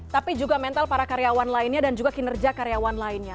tapi juga mental para karyawan lainnya dan juga kinerja karyawan lainnya